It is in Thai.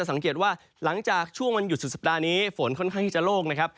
สังเกตว่าหลังจากช่วงวันหยุดสุดสัปดาห์นี้ฝนค่อนข้างที่จะโล่งนะครับ